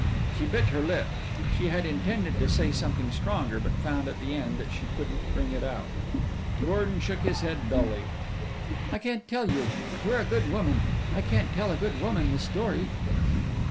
She bit her lip she had intended to say something stronger, but found at the end that she couldn't bring it out. Gordon shook his head dully. "I can't tell you. You're a good woman. I can't tell a good woman the story."